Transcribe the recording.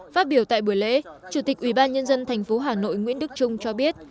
phát biểu tại buổi lễ chủ tịch ủy ban nhân dân thành phố hà nội nguyễn đức trung cho biết